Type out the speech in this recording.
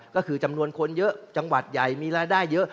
ก็คือจำนวนคนเยอะจังหวัดใหญ่มีรายได้เยอะ